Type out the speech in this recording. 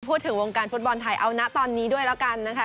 พูดถึงวงการฟุตบอลไทยเอานะตอนนี้ด้วยแล้วกันนะคะ